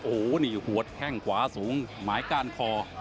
โหนี่หัวแค่งขวาสูงไม้กล้านคอ